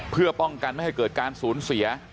เพื่อป้องกันไม่ให้เกิดการสูญเสีย